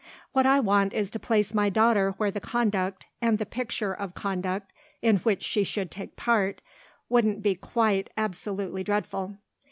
"What I want is to place my daughter where the conduct and the picture of conduct in which she should take part wouldn't be quite absolutely dreadful.